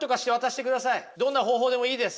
どんな方法でもいいです。